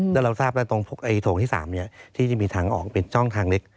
แล้วเราทราบแล้วตรงโถงที่๓ที่จะมีทางออกเป็นช่องทางเล็ก